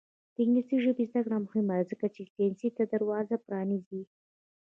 د انګلیسي ژبې زده کړه مهمه ده ځکه چې ساینس ته دروازه پرانیزي.